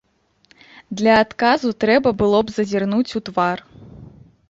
Для адказу трэба было б зазірнуць у твар.